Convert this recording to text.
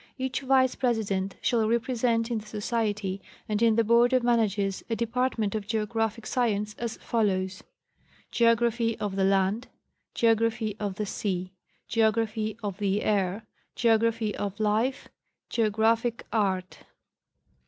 Each Vice President shall represent in the Society and in the Board of Managers a department of geographic science, as follows : Geography of the Land. Geography of the Sea. Geography of the Air. Geography of Life. Geographic Art.